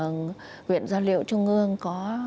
nguyện giao liệu trung ương có